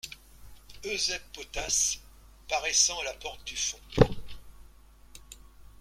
Eusèbe Potasse , paraissant à la porte du fond.